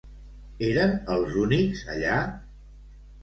Eren els únics allà?